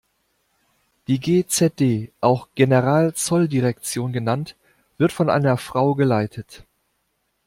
Die G-Z-D, auch Generalzolldirektion genannt wird von einer Frau geleitet.